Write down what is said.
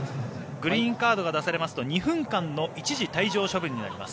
グリーンカードが出されますと２分間の一時退場処分になります。